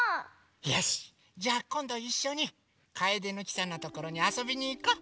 よしじゃこんどいっしょにカエデの木さんのところにあそびにいこう！